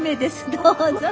どうぞ。